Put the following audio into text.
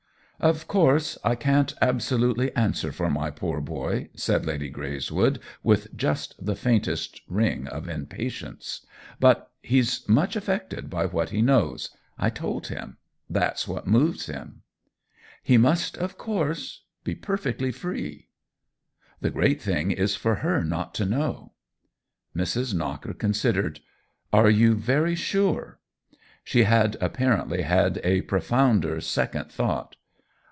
" Of course I can't absolutely answer for my poor boy !" said Lady Greyswood, with just the faintest ring of impatience. " But THE WHEEL OF TIME 31 he's much affected by what he knows — I told him. That's what moves him." " He must of course be perfectly free." "The great thing is for her not to know." Mrs. Knocker considered. " Are you very sure ?" She had apparently had a profound er second thought.